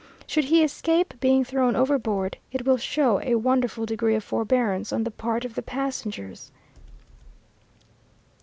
Should he escape being thrown overboard, it will show a wonderful degree of forbearance on the part of the passengers.